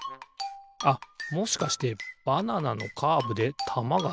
あっもしかしてバナナのカーブでたまがターンする？